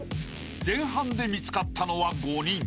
［前半で見つかったのは５人］